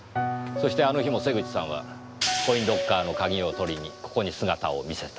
そしてあの日も瀬口さんはコインロッカーの鍵を取りにここに姿を見せた。